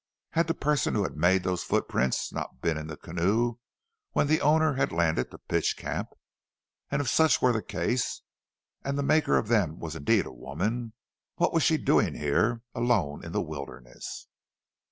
Had the person who had made those footprints not been in the canoe when the owner had landed to pitch camp? And if such were the case, and the maker of them was indeed a woman, what was she doing here, alone in the wilderness?